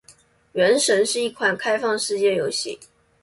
《原神》是一款开放世界游戏。